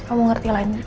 kamu ngerti lah